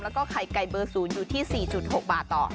แล้วก็ไข่ไก่เบอร์๐อยู่ที่๔๖บาทต่อ